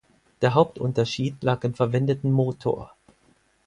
Der Hauptunterschied lag im verwendeten Motor.